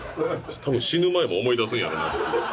多分死ぬ前も思い出すんやろうなと。